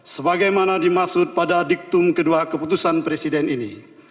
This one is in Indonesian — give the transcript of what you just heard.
sebagaimana dimaksud pada diktum kedua keputusan presiden ini